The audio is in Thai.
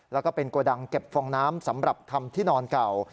แล้วก็เป็นโกดังเก็บฟองน้ำสำหรับทำที่นอนเก่า